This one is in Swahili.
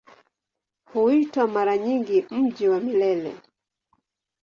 Huitwa mara nyingi "Mji wa Milele".